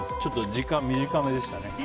時間短めでしたね。